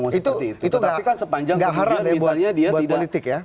seperti itu itu nggak haram buat politik ya